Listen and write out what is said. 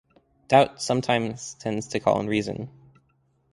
Doubt sometimes tends to call on reason.